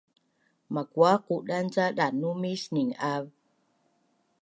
Makua qudan ca danumis ning’av?